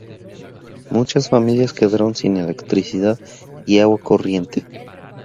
Muchas familias quedaron sin electricidad y agua corriente.